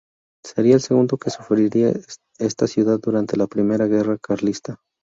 Sería el segundo que sufriría esta ciudad durante la primera guerra carlista.